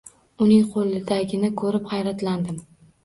Uning qo‘lidagini ko‘rib hayratlandim.